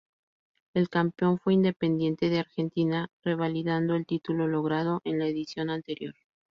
El campeón fue Independiente de Argentina, revalidando el título logrado en la edición anterior.